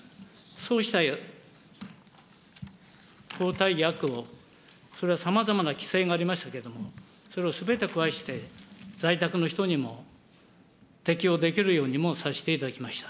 そうした抗体薬を、それはさまざまな規制がありましたけれども、それをすべて壊して、在宅の人にも適用できるようにもさせていただきました。